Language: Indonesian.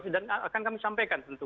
dan akan kami sampaikan tentu